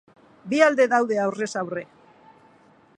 Bi alde daude aurrez aurre.